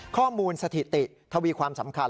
สถิติทวีความสำคัญ